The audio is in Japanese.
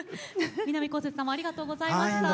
南こうせつさんもありがとうございました。